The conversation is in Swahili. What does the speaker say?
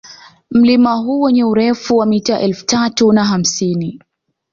Mlima huu wenye urefu wa mita elfu tatu na hamsini